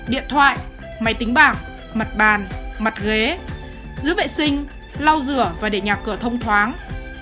điện thoại máy tính bảng mặt bàn mặt ghế giữ vệ sinh lau rửa và để nhà cửa thông thoáng